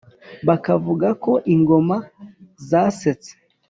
bakavuga ko Ingoma Zasetse